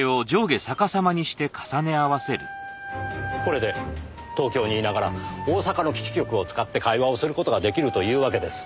これで東京にいながら大阪の基地局を使って会話をする事が出来るというわけです。